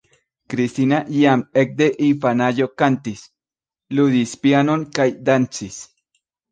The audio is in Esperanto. Kristina jam ekde infanaĝo kantis, ludis pianon kaj dancis.